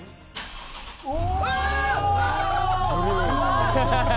お！